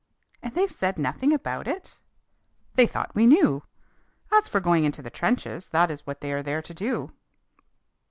"And they said nothing about it!" "They thought we knew. As for going into the trenches, that is what they are there to do."